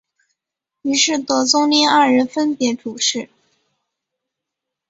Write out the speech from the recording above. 于是德宗令二人分别主事。